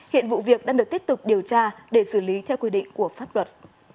hiện vụ việc đang được tiếp tục điều tra để xử lý theo quy định của pháp luật